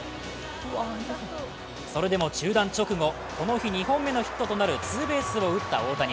それでも中断直後、この２本目のヒットとなるツーベースを打った大谷。